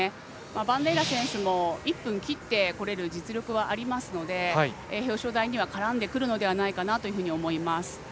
バンデイラ選手も１分切ってこれる実力はありますので表彰台には絡んでくるのではないかなと思います。